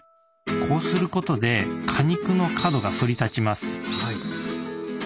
こうすることで果肉の角が反りたちます。